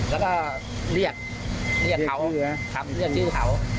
แล้วก็เรียกเรียกเขาเรียกชื่อเขา